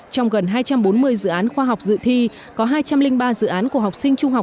trong gần hai trăm bốn mươi dự án khoa học dự thi có hai trăm linh ba dự án của học sinh trung học